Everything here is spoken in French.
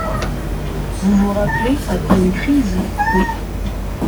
Vous vous rappelez, après une crise ? Oui.